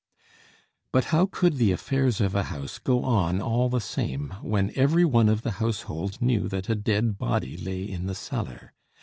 But how could the affairs of a house go on all the same when every one of the household knew that a dead body lay in the cellar?